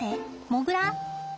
モグラ？